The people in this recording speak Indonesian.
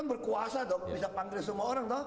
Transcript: kan berkuasa dong bisa panggil semua orang tau